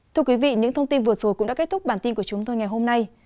thưa quý vị những thông tin vừa rồi cũng đã kết thúc bản tin của chúng tôi ngày hôm nay